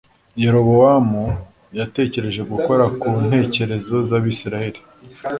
Yerobowamu yatekereje gukora ku ntekerezo zAbisirayeli